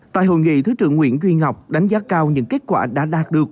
tại hội nghị thứ trưởng nguyễn duy ngọc đánh giá cao những kết quả đã đạt được